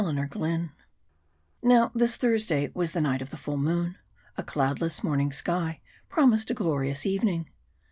CHAPTER XVIII Now this Thursday was the night of the full moon. A cloudless morning sky promised a glorious evening.